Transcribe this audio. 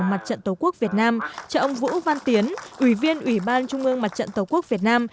mặt trận tổ quốc việt nam cho ông vũ văn tiến ủy viên ủy ban trung ương mặt trận tổ quốc việt nam